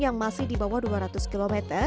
yang masih di bawah dua ratus km